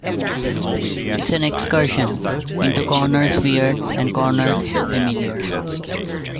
It's an excursion, into corners weird and corners familiar.